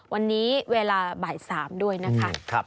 วันนี้เวลาบ่าย๓ด้วยนะคะ